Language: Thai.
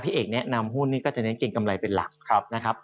พี่เอกแนะนำหุ้นนี่ก็จะเน้นเกรงกำไรเป็นหลัก